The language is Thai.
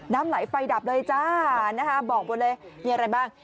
น้ำไหลไฟดับเลยจ้านะคะบอกหมดเลยมีอะไรบ้าง